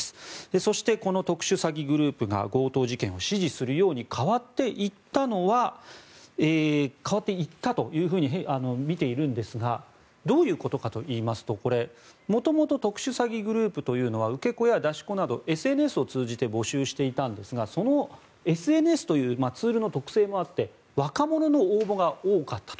そして、この特殊詐欺グループが強盗事件を指示するように変わっていったというふうにみているんですがどういうことかといいますとこれ、元々特殊詐欺グループというのは受け子や出し子などＳＮＳを通じで募集していたんですがそのＳＮＳというツールの特性もあって若者の応募が多かったと。